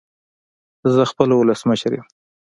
زه خپله ولسمشر يم